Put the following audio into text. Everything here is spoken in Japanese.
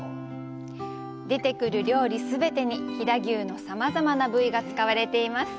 出てくる料理すべてに飛騨牛のさまざまな部位が使われています。